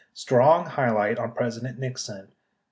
Strong highlight on President Nixon.